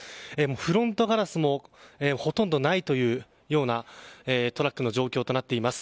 フロントガラスもほとんどないというようなトラックの状況となっています。